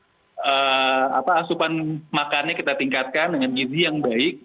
ya jadi nggak usah diet dulu sekarang kita ya asupan makannya kita tingkatkan dengan gizi yang baik